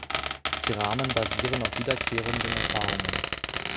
Die Rahmen basieren auf wiederkehrenden Erfahrungen.